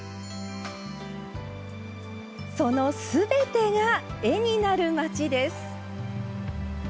そのすべてが絵になる町です。